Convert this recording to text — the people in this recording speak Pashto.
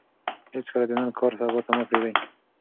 هېڅکله د نن کار سبا ته مه پرېږدئ.